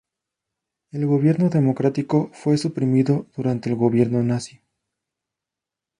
El gobierno democrático fue suprimido durante el gobierno nazi.